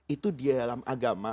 itu di dalam agama